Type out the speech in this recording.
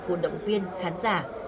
của động viên khán giả